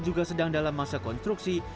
juga sedang dalam masa konstruksi